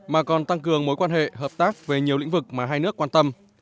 mà còn tăng cường mối quan hệ hợp tác về nhiều lĩnh vực mà hai nước quan tâm